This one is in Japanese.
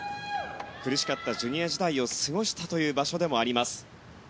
苦しかったジュニア時代を過ごしたという場所でもあります。